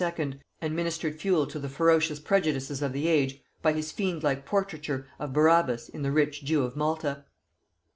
and ministered fuel to the ferocious prejudices of the age by his fiend like portraiture of Barabas in The rich Jew of Malta.